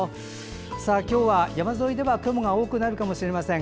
今日は山沿いでは雲が多くなるかもしれません。